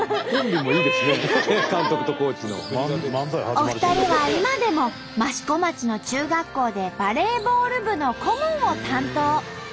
お二人は今でも益子町の中学校でバレーボール部の顧問を担当。